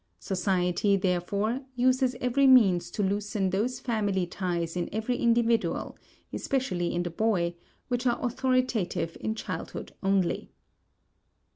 Society, therefore, uses every means to loosen those family ties in every individual, especially in the boy, which are authoritative in childhood only.